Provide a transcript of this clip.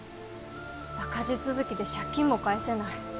赤字続きで借金も返せない。